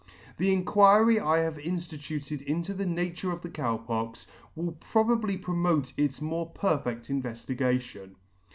The Inquiry I have inlfituted into the nature of the Cow Pox, will probably promote its more perfedt inveftigation.